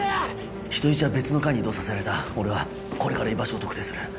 人質は別の階に移動させられた俺はこれから居場所を特定する。